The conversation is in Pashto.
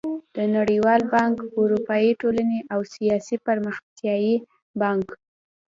د نړېوال بانک، اروپايي ټولنې او اسيايي پرمختيايي بانک